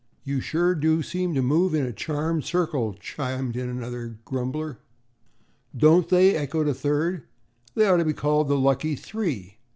"You sure do seem to move in a charmed circle," chimed in another grumbler. "Don't they?" echoed a third. "They ought to be called the lucky three.